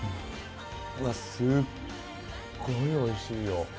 すっごいおいしいよ。